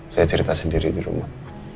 saya cerita sendiri di rumah